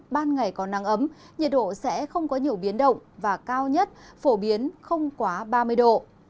ban ngày có nắng ấm nhiệt độ sẽ không có nhiều biến động và cao nhất phổ biến không quá ba mươi độ